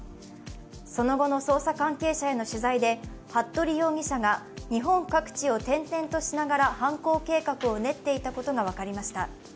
その後の捜査関係者への取材で服部容疑者が日本各地を転々としながら藩校計画を練っていたことが分かりました。